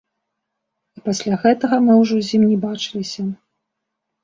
І пасля гэтага мы ўжо з ім не бачыліся.